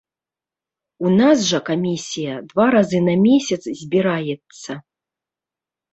У нас жа камісія два разы на месяц збіраецца.